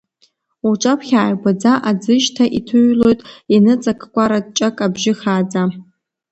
Уҿаԥхьа ааигәаӡа аӡышьҭа иҭыҩлоит иныҵак кәара-ҷҷак абжьы хааӡа.